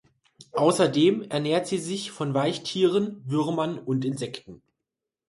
Außerdem ernährt sie sich von Weichtieren, Würmern und Insekten.